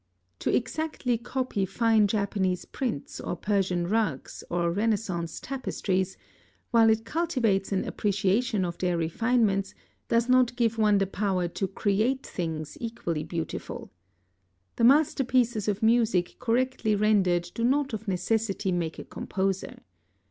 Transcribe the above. To exactly copy fine Japanese prints or Persian rugs or Renaissance tapestries, while it cultivates an appreciation of their refinements, does not give one the power to create things equally beautiful. The masterpieces of music correctly rendered do not of necessity make a composer.